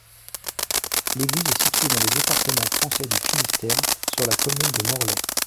L'église est située dans le département français du Finistère, sur la commune de Morlaix.